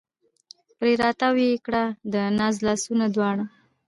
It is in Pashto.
پرې را تاو یې کړه د ناز لاسونه دواړه